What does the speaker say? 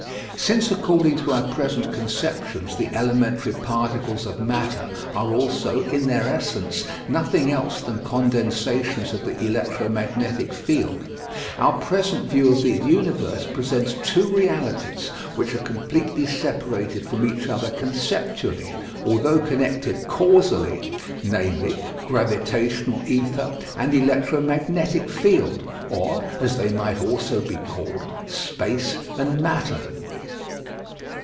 Since according to our present conceptions the elementary particles of matter are also, in their essence, nothing else than condensations of the electromagnetic field, our present view of the universe presents two realities which are completely separated from each other conceptually, although connected causally, namely, gravitational ether and electromagnetic field, or as they might also be called space and matter.